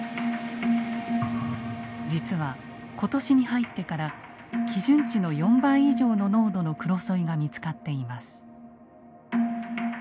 実は今年に入ってから基準値の４倍以上の濃度のクロソイが見つかっています。